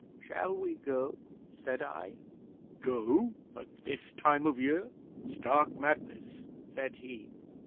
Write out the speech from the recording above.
'"Shall we go?" said I. '"Go! At this time of year? Stark madness," said he.